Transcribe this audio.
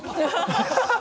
ハハハ